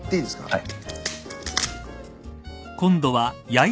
はい。